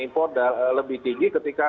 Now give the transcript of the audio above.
impor lebih tinggi ketika